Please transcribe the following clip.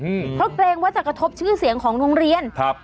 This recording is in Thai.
อืมเพราะเกรงว่าจะกระทบชื่อเสียงของโรงเรียนครับ